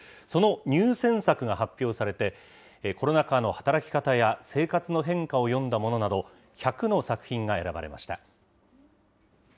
その入選作が発表されて、コロナ禍の働き方や生活の変化を詠んだものなど、１００の作品が選ばれました。